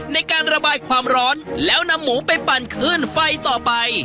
ในการระบายความร้อนแล้วนำหมูไปปั่นขึ้นไฟต่อไป